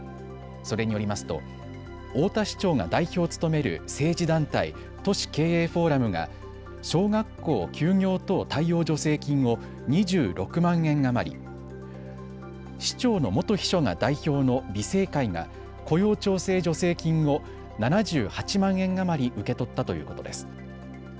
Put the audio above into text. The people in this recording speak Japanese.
それによりますと太田市長が代表を務める政治団体、都市経営フォーラムが小学校休業等対応助成金を２６万円余り、市長の元秘書が代表の美政会が雇用調整助成金を７８万円余り受け取ったということです。